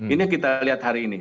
ini yang kita lihat hari ini